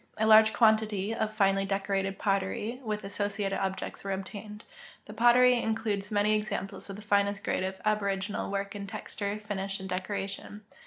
A large quantity of finely decorated pottery AA'ith a.ssociated objects aa^is obtained. The pt)ttery includes many examples of the finest grade of aboriginal work in texture, finisli, and decoration.